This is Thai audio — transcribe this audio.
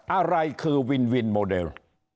อะไรคือวินวินโมเดล